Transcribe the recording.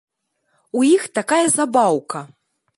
У іх такая забаўка.